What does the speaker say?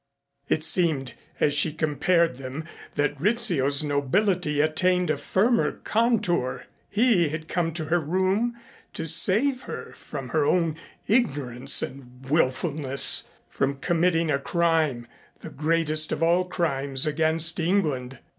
It seemed as she compared them that Rizzio's nobility attained a firmer contour. He had come to her room to save her from her own ignorance and wilfulness, from committing a crime, the greatest of all crimes against England.